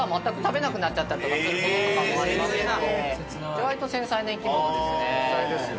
意外と繊細な生き物ですね。